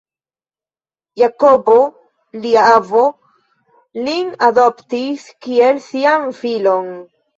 Jakobo, lia avo, lin adoptis kiel sian filon.